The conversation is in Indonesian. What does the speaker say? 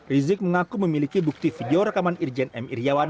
rizik mengaku memiliki bukti video rekaman irjen m iryawan